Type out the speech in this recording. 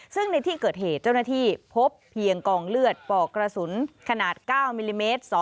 ซึ่งในที่เกิดเหตุเจ้าหน้าที่พบเพียงกองเลือดปอกกระสุนขนาด๙มิลลิเมตร